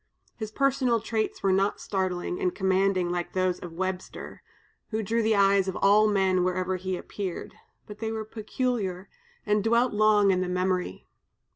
His personal traits were not startling and commanding like those of Webster, who drew the eyes of all men wherever he appeared, but they were peculiar, and dwelt long in the memory.